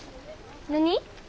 何？